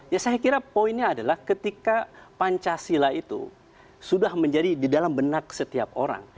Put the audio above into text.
ya saya kira poinnya adalah ketika pancasila itu sudah menjadi di dalam benak setiap orang